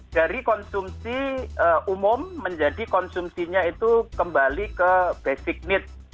dari konsumsi umum menjadi konsumsinya itu kembali ke basic need